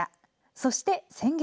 そして先月。